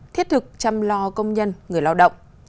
thiết thực chăm lo công nhân người lao động